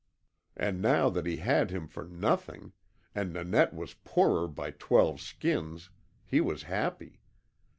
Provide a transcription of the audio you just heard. And now that he had him for nothing, and Nanette was poorer by twelve skins, he was happy.